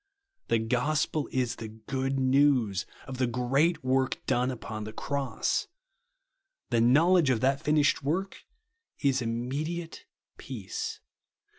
The gospel is the good news of the great work done upon the cross. The knowledge of that finished work is immediate peace.